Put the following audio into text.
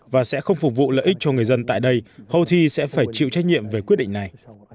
và sẽ không phục vụ lợi ích cho người dân tại đây houthi sẽ phải chịu trách nhiệm về quyết định này